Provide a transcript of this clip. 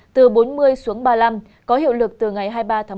từ bốn mươi xuống ba mươi năm có hiệu lực từ ngày hai mươi ba tháng một mươi